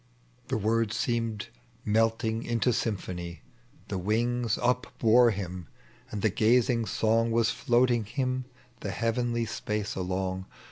— The words seemed melting into symphony. The wings upbore him, and the gazing song Was floating Tiim the heavenly spaee along.